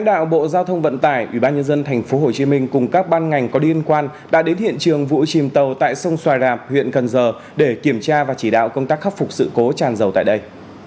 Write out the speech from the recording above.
lãnh đạo bộ giao thông vận tải ubnd tp hcm cùng các ban ngành có liên quan đã đến hiện trường vụ chìm tàu tại sông xoài rạp huyện cần giờ để kiểm tra và chỉ đạo công tác khắc phục sự cố tràn dầu tại đây